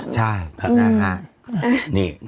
ใช่